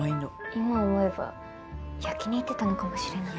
今思えば焼きにいってたのかもしれない。